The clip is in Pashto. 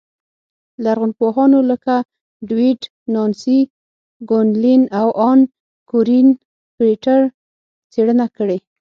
لرغونپوهانو لکه ډېوېډ، نانسي ګونلین او ان کورېن فرېټر څېړنه کړې